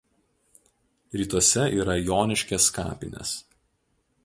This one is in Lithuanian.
Rytuose yra Joniškės kapinės.